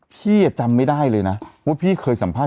พี่จำไม่ได้เลยนะว่าพี่เคยสัมภาษณ